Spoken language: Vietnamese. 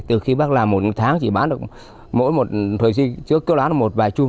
từ khi bác làm một tháng chỉ bán được mỗi một thời gian trước kêu đoán một vài chung